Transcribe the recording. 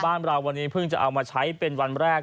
บ้านเราวันนี้เพิ่งจะเอามาใช้เป็นวันแรก